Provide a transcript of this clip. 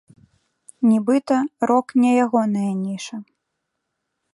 Нібыта, рок не ягоная ніша.